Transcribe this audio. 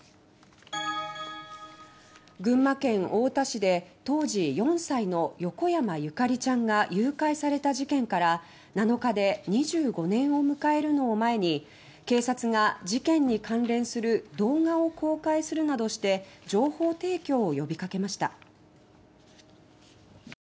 群馬県太田市で当時４歳の横山ゆかりちゃんが誘拐された事件から７日で２５年を迎えるのを前に警察が事件に関連する動画を公開するなどして情報提供を呼びかけました。